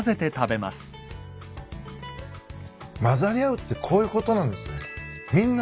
混ざり合うってこういうことなんですね。